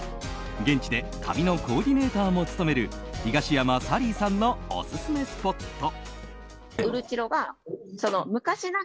現地で旅のコーディネーターも務める東山サリーさんのオススメスポット。